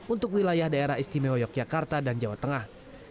untuk wilayah daerah istimewa yogyakarta dan jawa tengah